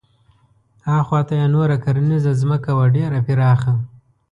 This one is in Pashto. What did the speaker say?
اخواته یې نوره کرنیزه ځمکه وه ډېره پراخه.